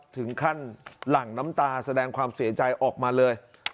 ถึงขั้นหลั่งน้ำตาแสดงความเสียใจออกมาเลย